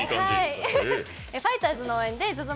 ファイターズの応援でＺＯＺＯ